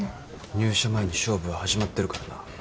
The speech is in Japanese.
入社前に勝負は始まってるからな。